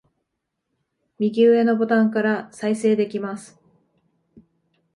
右上のボタンから再生できます